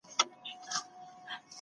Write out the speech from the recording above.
واکداري امانت دی چي باید وساتل سي.